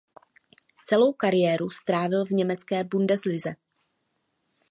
Celou kariéru strávil v německé Bundeslize.